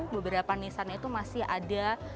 beberapa nisan itu masih ada